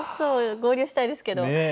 合流したいですけど。